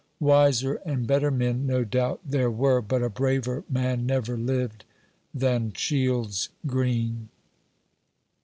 Wiser and better man no doubt there were, but a braver man never lived riu. Shields Green.